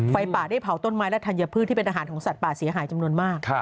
ไฟป่าได้เผาต้นไม้และธัญพืชที่เป็นอาหารของสัตว์ป่าเสียหายจำนวนมาก